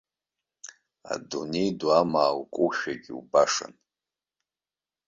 Адунеи ду амаа укушәагьы убашан.